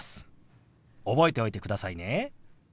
覚えておいてくださいね。